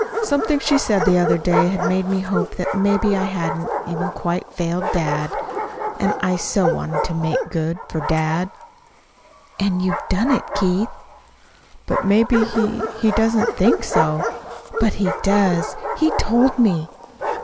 Something she said the other day made me hope that maybe I hadn't even quite failed dad. And I so wanted to make good for dad!" "And you've done it, Keith." "But maybe he he doesn't think so." "But he does. He told me."